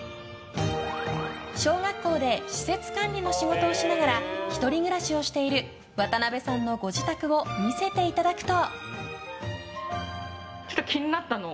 小学校で施設管理の仕事をしながら１人暮らしをしている渡邉さんのご自宅を見せていただくと。